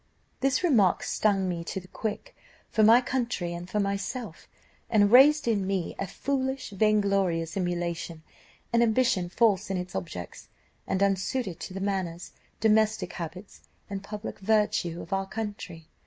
This remark stung me to the quick, for my country and for myself, and raised in me a foolish, vain glorious emulation, an ambition false in its objects, and unsuited to the manners, domestic habits, and public virtue of our country.